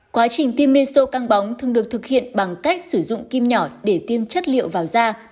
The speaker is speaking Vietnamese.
quá trình timeso căng bóng thường được thực hiện bằng cách sử dụng kim nhỏ để tiêm chất liệu vào da